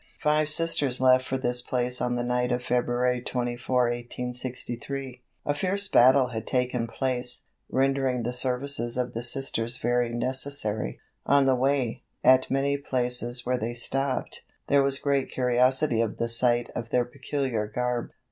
Five Sisters left for this place on the night of February 24, 1863. A fierce battle had taken place, rendering the services of the Sisters very necessary. On the way, at many places where they stopped, there was great curiosity at the sight of their peculiar garb.